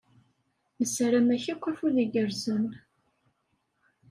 Nessaram-ak akk afud igerrzen.